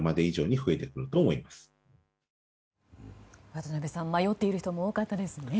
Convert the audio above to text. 渡辺さん迷っている人も多かったですね。